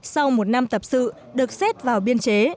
sau một năm tập sự được xét vào biên chế